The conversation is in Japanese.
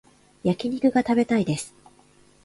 焼き肉が食べたいです